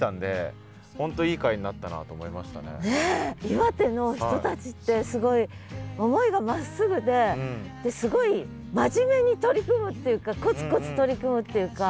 岩手の人たちってすごい思いがまっすぐですごい真面目に取り組むっていうかコツコツ取り組むっていうか。